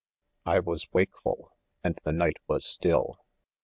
I I was wakeful, and the night was still.